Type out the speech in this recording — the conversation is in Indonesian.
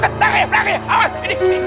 ada harapan yang kayak gini mah